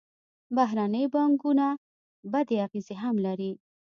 بهرنۍ پانګونه بدې اغېزې هم لري.